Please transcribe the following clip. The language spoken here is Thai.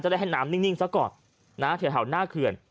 จะได้ให้น้ำนิ่งซะก่อนเถียวเห่าน่าเขื่อน